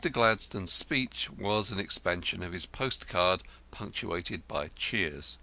Gladstone's speech was an expansion of his postcard, punctuated by cheers.